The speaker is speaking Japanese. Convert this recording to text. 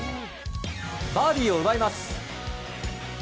バーディーを奪います。